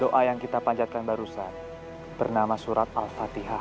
doa yang kita panjatkan barusan bernama surat al fatihah